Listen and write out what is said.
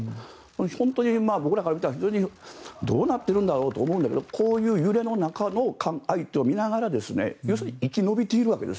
本当に僕らから見たらどうなってるんだろうと思うんだけどこういう揺れの中の相手を見ながら要するに生き延びているわけです。